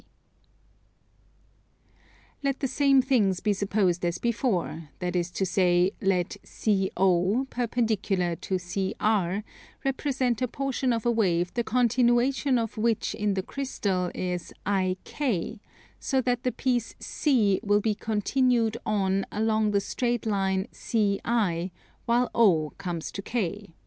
Let the same things be supposed as before; that is to say, let CO, perpendicular to CR, represent a portion of a wave the continuation of which in the crystal is IK, so that the piece C will be continued on along the straight line CI, while O comes to K.